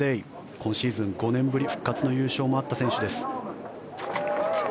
今シーズン、５年ぶり復活の優勝もあった選手です。